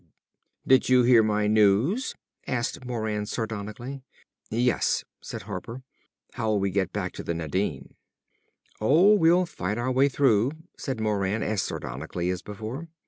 "Did you hear my news?" asked Moran sardonically. "Yes," said Harper. "How'll we get back to the Nadine?" "Oh, we'll fight our way through," said Moran, as sardonically as before.